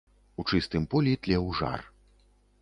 У чыстым полі тлеў жар.